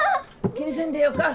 気にせんでよか。